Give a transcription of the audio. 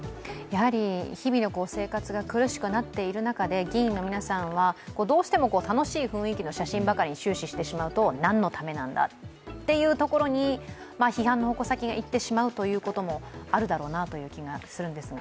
日々の生活が苦しくなっている中で、議員の皆さんは、どうしても楽しい雰囲気の写真ばかりに終始してしまうとなんのためなんだっていうところに批判の矛先が行ってしまうこともあるだろうなという気がするんですが。